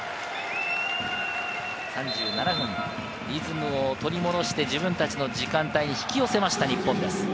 ３７分、リズムを取り戻して、自分たちの時間帯に引き寄せました日本です。